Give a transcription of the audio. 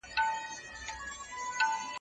رحیم له خپلې مېرمنې سره ښه چلند نه کوي.